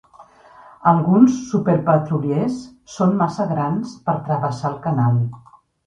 Alguns superpetroliers són massa grans per travessar el canal.